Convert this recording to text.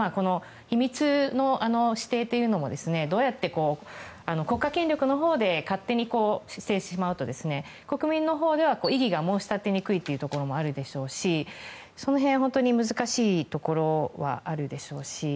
秘密の指定というのも国家権力のほうで勝手にしてしまうと国民のほうでは異議が申し立てにくいというのもあるでしょうしその辺、本当に難しいところはあるでしょうし。